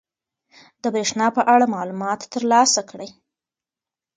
د بریښنا په اړه معلومات ترلاسه کړئ.